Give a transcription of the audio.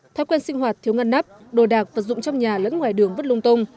thói quen sinh hoạt thiếu ngăn nắp đồ đạc vật dụng trong nhà lẫn ngoài đường vứt lung tung